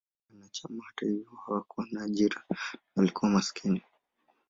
Wengi wa wanachama, hata hivyo, hawakuwa na ajira na walikuwa maskini.